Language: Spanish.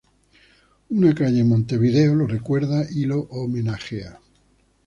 Una calle en Montevideo, lo recuerda y lo homenajea.